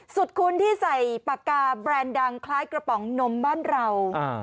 คุ้นที่ใส่ปากกาแบรนด์ดังคล้ายกระป๋องนมบ้านเรา